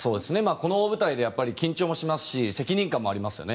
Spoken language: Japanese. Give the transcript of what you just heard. この大舞台で緊張もしますし責任感もありますよね。